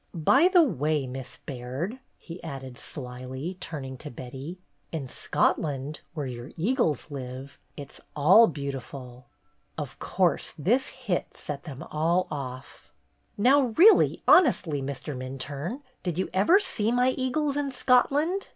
By the way, Miss Baird,'' he added slyly, turning to Betty, '"in Scotland, where your eagles live, it 's all beautiful." Of course this hit set them all off. "Now really, honestly, Mr. Minturne, did you ever see my eagles in Scotland